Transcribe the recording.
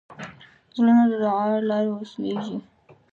زړونه د دعا له لارې وصلېږي.